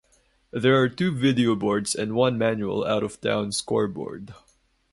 There are two videoboards and one manual out-of-town scoreboard.